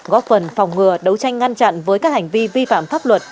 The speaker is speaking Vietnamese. góp phần phòng ngừa đấu tranh ngăn chặn với các hành vi vi phạm pháp luật